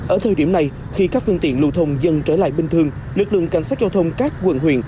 ở thời điểm này khi các phương tiện lưu thông dần trở lại bình thường lực lượng cảnh sát giao thông các quận huyện